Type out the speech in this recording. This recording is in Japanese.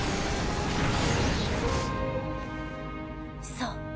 そう。